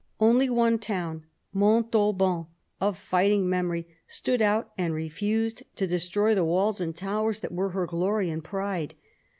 Only one town, Montauban of fighting memory, stood out and refused to destroy the walls and towers that were her glory and pride.